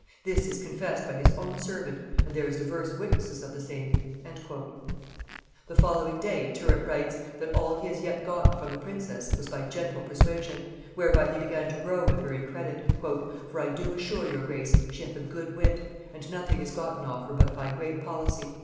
This is confessed by his own servant, and there is divers witnesses of the same." The following day Tyrwhitt writes, that all he has yet gotten from the princess was by gentle persuasion, whereby he began to grow with her in credit, "for I do assure your grace she hath a good wit, and nothing is gotten off her but by great policy."